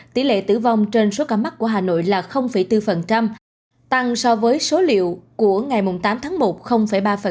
tỷ lệ tử vong trên số ca mắc của hà nội là bốn tăng so với số liệu của ngày tám tháng một ba